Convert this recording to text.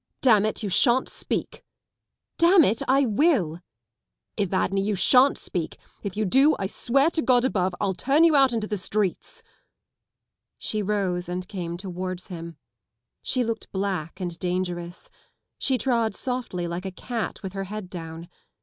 " Damn it, you shan't speak 1 "" Damn it, I will 1" " Evadne, you shan't speak ! If you do I swear to God above 1*11 turn you out into the streets ŌĆö ." She rose and came towards him. She looked black and dangerous. She trod softly like a cat with her head down.